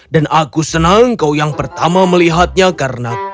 dan aku senang kau yang pertama melihatnya karena kau sangat baik